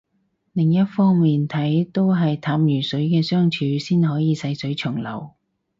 另一方面睇都係淡如水嘅相處先可以細水長流